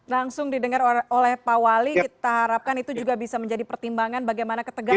langsung didengar oleh pak wali kita harapkan itu juga bisa menjadi pertimbangan bagaimana ketegasan